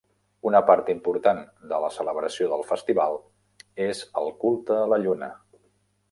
Una part important de la celebració del festival és el culte a la lluna.